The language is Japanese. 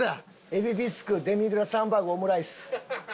海老ビスクデミグラスハンバーグオムライス。